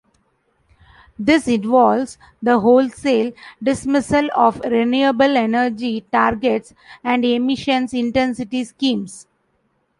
This involves the wholesale dismissal of renewable energy targets and emissions intensity schemes.